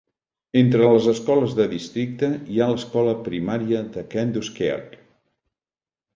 Entre les escoles de districte hi ha l'escola primària de Kenduskeag.